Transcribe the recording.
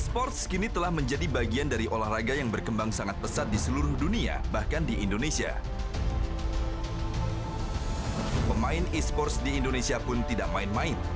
pemain esports di indonesia pun tidak main main